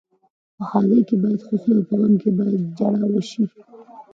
په ښادۍ کې باید خوښي او په غم کې باید ژاړا وشي.